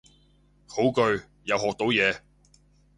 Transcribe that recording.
好句，又學到嘢